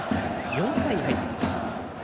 ４回に入ってきました。